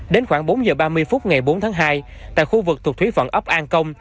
đến khoảng bốn h ba mươi phút ngày bốn tháng hai tại khu vực thuộc thủy phận ấp an công